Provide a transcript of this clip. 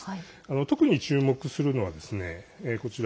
特に注目するのはこちら。